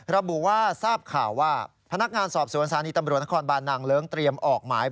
ระบุว่าทราบข่าวว่าพนักงานสอบสวนสถานีตำรวจนครบานนางเลิ้งเตรียมออกหมาย